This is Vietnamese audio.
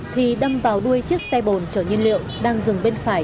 thì đâm vào đuôi chiếc xe bồn chở nhiên liệu đang dừng bên phải